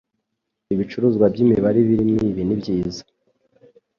Ibicuruzwa byimibare ibiri mibi nibyiza.